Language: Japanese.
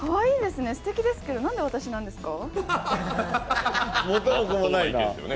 すてきですけど、なんで私ですか？